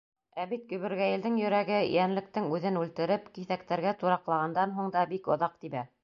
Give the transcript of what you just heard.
Ә бит гөбөргәйелдең йөрәге, йәнлектең үҙен үлтереп, киҫәктәргә тураҡлағандан һуң да бик оҙаҡ тибә.